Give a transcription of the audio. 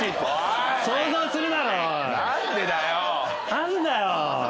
何だよ。